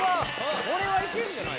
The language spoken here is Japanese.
これはいけるんじゃない？